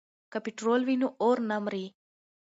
که پټرول وي نو اور نه مري.